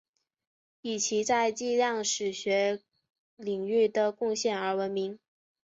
以其在计量史学领域的贡献而闻名。